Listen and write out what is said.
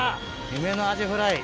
夢のアジフライＧＴ！